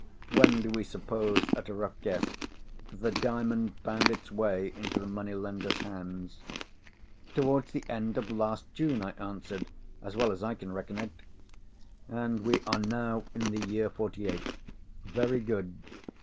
When do we suppose, at a rough guess, that the Diamond found its way into the money lender's hands?" "Towards the end of last June," I answered, "as well as I can reckon it." "And we are now in the year 'forty eight. Very good.